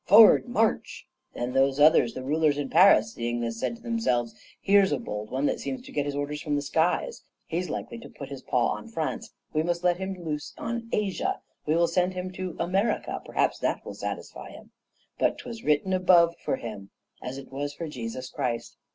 Forward, march! Then those others, the rulers in Paris, seeing this, said to themselves: 'Here's a bold one that seems to get his orders from the skies; he's likely to put his paw on France. We must let him loose on Asia; we will send him to America, perhaps that will satisfy him.' But 't was written above for him, as it was for Jesus Christ.